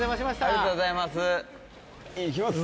ありがとうございます行きます。